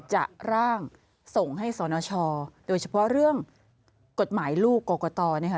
ร่างส่งให้สนชโดยเฉพาะเรื่องกฎหมายลูกกรกตนะคะ